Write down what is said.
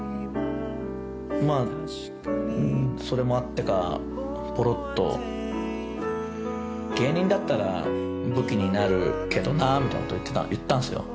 まあ、それもあってか、ぽろっと芸人だったら武器になるけどなぁみたいなことを言ったんですよ